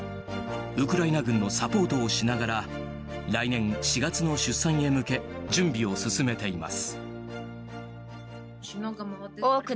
ウクライナ軍のサポートをしながら来年４月の出産へ向け準備を進めています。